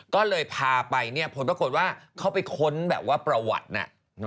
ก็เลยพาไปผลปรากฏว่าเขาไปค้นประวัตินะ